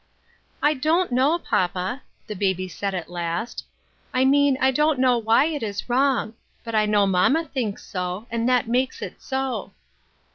"I don't know, papa," the baby said at last. "I mean I don't know why it is wrong ; but I know mamma thinks so, and that makes it so."